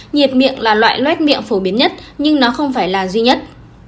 nhiệt miệng là loại loat miệng phổ biến nhất nhưng nó không phải là duy nhất